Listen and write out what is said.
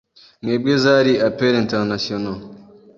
Mwebwe zari appels internationaux